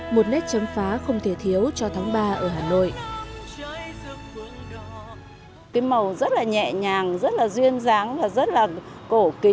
một nét chấm phá không thể thiếu cho tháng ba ở hà nội